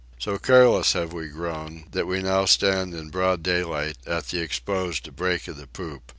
So careless have we grown, that we now stand in broad daylight at the exposed break of the poop.